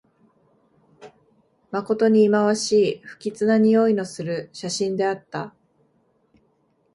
まことにいまわしい、不吉なにおいのする写真であった